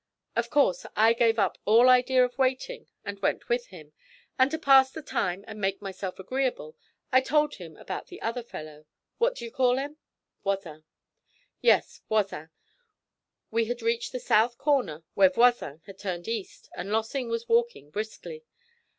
Of course I gave up all idea of waiting, and went on with him; and to pass the time and make myself agreeable I told him about the other fellow what d'ye call him?' 'Voisin.' 'Yes, Voisin. We had reached the south corner where Voisin had turned east, and Lossing was walking briskly.